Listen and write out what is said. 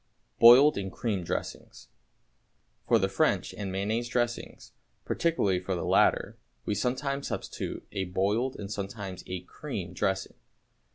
=Boiled and Cream Dressings.= For the French and mayonnaise dressings particularly for the latter we sometimes substitute a boiled and sometimes a cream dressing.